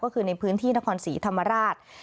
ก็คือในพื้นที่นครศรีธรรมราช